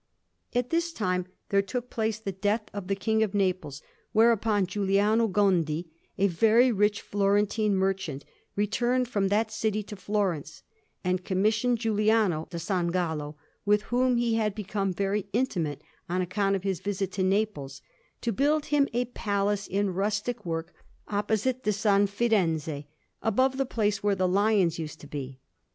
At this time there took place the death of the King of Naples, whereupon Giuliano Gondi, a very rich Florentine merchant, returned from that city to Florence, and commissioned Giuliano da San Gallo, with whom he had become very intimate on account of his visit to Naples, to build him a palace in rustic work, opposite to S. Firenze, above the place where the lions used to be.